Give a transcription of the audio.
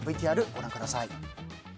ＶＴＲ、ご覧ください。